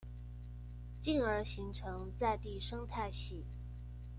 進而形成在地生態系